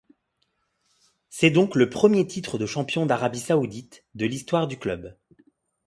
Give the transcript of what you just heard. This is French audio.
C'est donc le premier titre de champion d'Arabie saoudite de l'histoire du club.